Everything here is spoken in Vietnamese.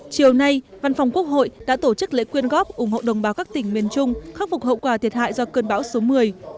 chiều nay văn phòng quốc hội đã tổ chức lễ quyên góp ủng hộ đồng bào các tỉnh miền trung khắc phục hậu quả thiệt hại do cơn bão số một mươi